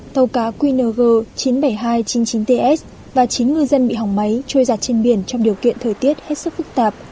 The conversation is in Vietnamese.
tàu cá qng chín mươi bảy nghìn hai trăm chín mươi chín ts và chín ngư dân bị hỏng máy trôi giặt trên biển trong điều kiện thời tiết hết sức phức tạp